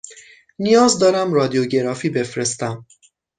نیاز دارم رادیوگرافی بفرستم.